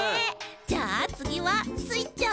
じゃあつぎはスイちゃん！